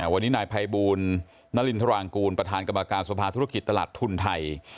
วันนี้นายภัยบูลนรินทรางกูลประธานกรรมการสภาธุรกิจตลาดทุนไทย